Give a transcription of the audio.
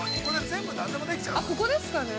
◆ここですかね？